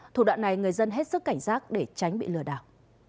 thủ đoạn này người dân hết sức cảnh giác để tránh bị lừa đảo